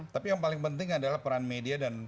tapi yang paling penting adalah peran media dan